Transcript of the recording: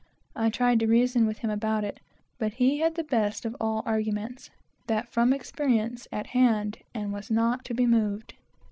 I tried to reason with him about it, but he had the best of all arguments, that from experience, at hand, and was not to be moved.